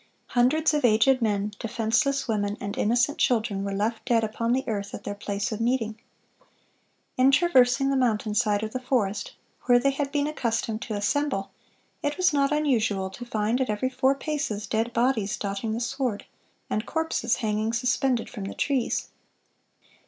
Hundreds of aged men, defenseless women, and innocent children were left dead upon the earth at their place of meeting. In traversing the mountainside or the forest, where they had been accustomed to assemble, it was not unusual to find "at every four paces, dead bodies dotting the sward, and corpses hanging suspended from the trees."